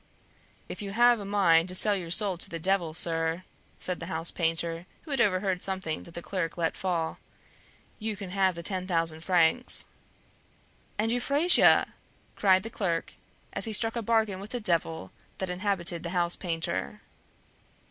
"If you have a mind to sell your soul to the Devil, sir," said the house painter, who had overheard something that the clerk let fall, "you can have the ten thousand francs." "And Euphrasia!" cried the clerk, as he struck a bargain with the devil that inhabited the house painter.